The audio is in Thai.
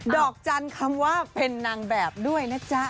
ดอกจันทร์คำว่าเป็นนางแบบด้วยนะจ๊ะ